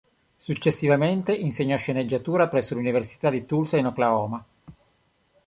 Successivamente insegnò sceneggiatura presso l'Università di Tulsa in Oklahoma.